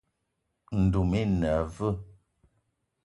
Ndoum i na aveu?